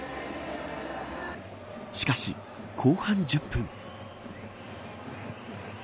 しかし、後半１０分。